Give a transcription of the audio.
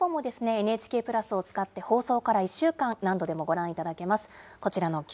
おはよう日本も、ＮＨＫプラスを使って放送から１週間、何度でもご覧いただけます。